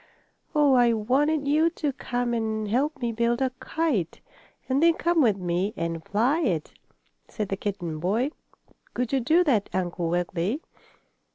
"Oh, I wanted you to come and help me build a kite, and then come with me and fly it," said the kitten boy. "Could you do that, Uncle Wiggily?"